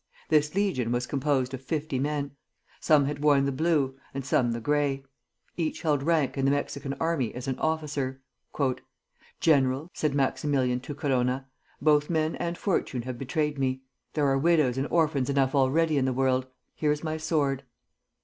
This legion was composed of fifty men. Some had worn the blue, and some the gray. Each held rank in the Mexican army as an officer. "General," said Maximilian to Corona, "both men and fortune have betrayed me. There are widows and orphans enough already in the world. Here is my sword."